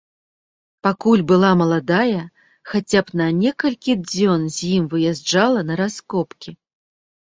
Пакуль была маладая, хаця б на некалькі дзён з ім выязджала на раскопкі.